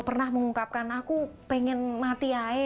pernah mengungkapkan aku pengen mati air